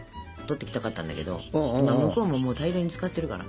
今向こうも大量に使ってるから。